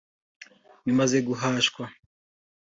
Bimaze guhashwa